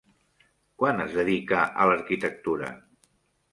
Quan es dedica a l'arquitectura?